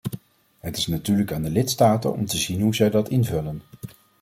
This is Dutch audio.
Het is natuurlijk aan de lidstaten om te zien hoe zij dat invullen.